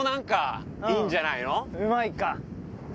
うまいか。